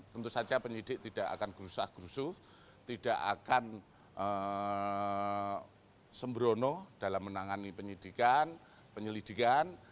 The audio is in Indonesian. tentu saja penyidik tidak akan gerusa gerusuh tidak akan sembrono dalam menangani penyelidikan